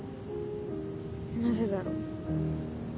なぜだろう？